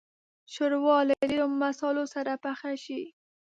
ښوروا له ډېرو مصالحو سره پخه شي.